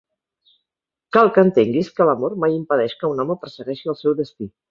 Cal que entenguis que l'amor mai impedeix que un home persegueixi el seu destí.